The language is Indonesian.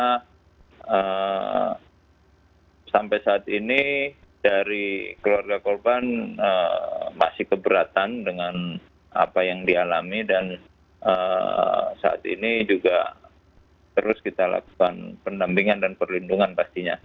karena sampai saat ini dari keluarga korban masih keberatan dengan apa yang dialami dan saat ini juga terus kita lakukan pendampingan dan perlindungan pastinya